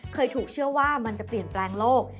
เคยถูกเชื่อว่ามันจะเปลี่ยนแปลงโลก